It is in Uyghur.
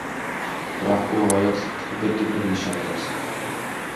بىراق، ئۇ ھاياتلىقتىكى بىردىنبىر نىشان ئەمەس.